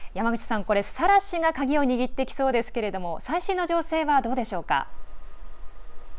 サラ氏が鍵を握ってきそうですけれども最新の情勢はどうでしょうか？